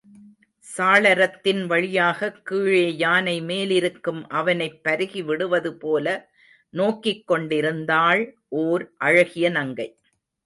சாளரத்தின் வழியாகக் கீழே யானை மேலிருக்கும் அவனைப் பருகிவிடுவதுபோல நோக்கிக் கொண்டிருந்தாள் ஓர் அழகிய நங்கை.